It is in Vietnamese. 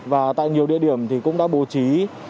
và tại nhiều địa điểm thì cũng đã bố trí